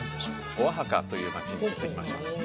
オアハカという町に行ってきました